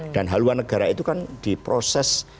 dan haluan negara itu kan diproses secara polonial